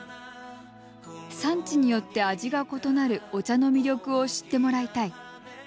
産地によって味が異なるお茶の魅力を知ってもらいたい。